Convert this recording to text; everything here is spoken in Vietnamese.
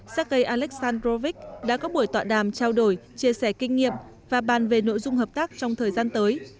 xét gây aleksandrovich đã có buổi tọa đàm trao đổi chia sẻ kinh nghiệm và bàn về nội dung hợp tác trong thời gian tới